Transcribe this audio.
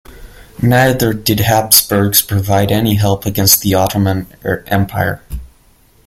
Neither did Habsburgs provide any help against the Ottoman Empire.